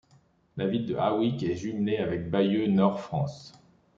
La ville de Hawick est jumelée avec Bailleul, Nord, France.